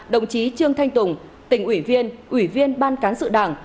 đồng chí trương thanh tùng tỉnh ủy viên ủy viên ban cán sự đảng